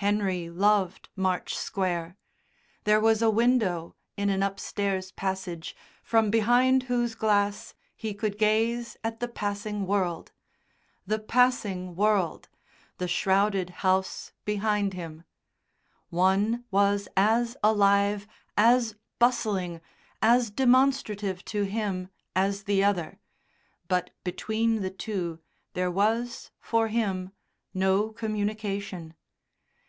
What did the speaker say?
Henry loved March Square. There was a window in an upstairs passage from behind whose glass he could gaze at the passing world. The Passing World!... the shrouded house behind him. One was as alive, as bustling, as demonstrative to him as the other, but between the two there was, for him, no communication.